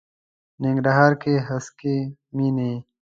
ننګرهار کې د هسکې مېنې.